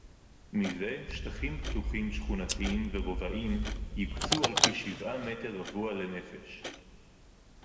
מזה שטחים פתוחים שכונתיים ורובעיים יוקצו על-פי שבעה מטר רבוע לנפש